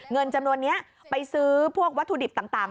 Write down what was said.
เงินจำนวนนี้ไปซื้อพวกวัตถุดิบต่าง